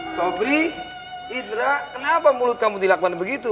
sobri idra kenapa mulut kamu dilakban begitu